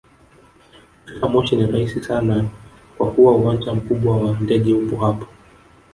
Kufika moshi ni rahisi sana kwa kuwa uwanja mkubwa wa ndege upo hapo